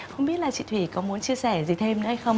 không biết là chị thủy có muốn chia sẻ gì thêm hay không